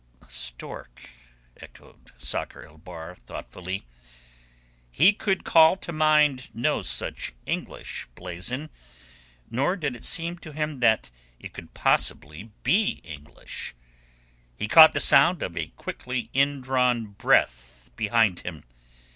"A stork?" echoed Sakr el Bahr thoughtfully. He could call to mind no such English blazon, nor did it seem to him that it could possibly be English. He caught the sound of a quickly indrawn breath behind him.